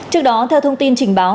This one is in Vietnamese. trước đó theo thông tin trình báo